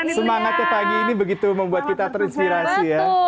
semangatnya pagi ini begitu membuat kita terinspirasi ya